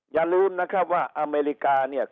อย่าลืมนะครับว่าอเมริกาเนี่ย